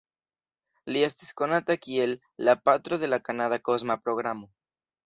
Li estis konata kiel la "Patro de la Kanada Kosma Programo".